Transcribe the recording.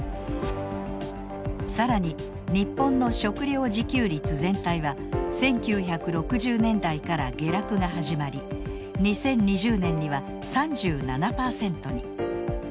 更に日本の食料自給率全体は１９６０年代から下落が始まり２０２０年には３７％に。